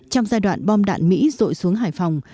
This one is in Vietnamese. trong giai đoạn bom đạn mỹ rội xuống hải phòng